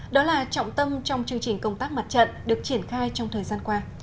đó là trọng tâm trong chương trình công tác mặt trận được triển khai trong thời gian qua